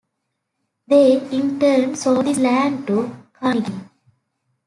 They, in turn, sold this land to Carnegie.